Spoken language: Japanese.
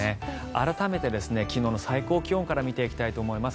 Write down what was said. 改めて昨日の最高気温から見ていきたいと思います。